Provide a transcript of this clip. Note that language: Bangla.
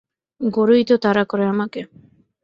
গোরুই তো তাড়া করে আমাকে।